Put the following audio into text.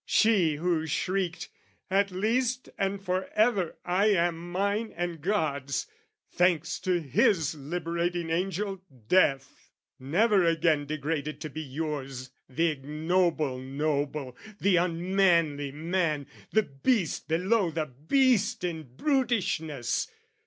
She who shrieked "At least and for ever I am mine and God's, "Thanks to his liberating angel Death "Never again degraded to be yours "The ignoble noble, the unmanly man, "The beast below the beast in brutishness!"